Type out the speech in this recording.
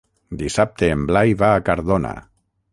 Dissabte en Blai va a Cardona.